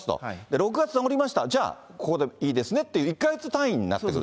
６月治りました、じゃあ、ここでいいですねっていう１か月単位になってると。